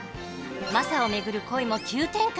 マサを巡る恋も急展開。